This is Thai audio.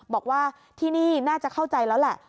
บอกว่าที่นี่น่าจะเข้าใจแล้วแหละ